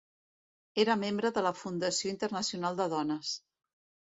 Era membre de la Fundació Internacional de Dones.